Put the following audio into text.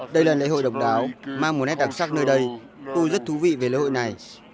đây là lễ hội độc đáo mang một nét đặc sắc nơi đây tôi rất thú vị về lễ hội này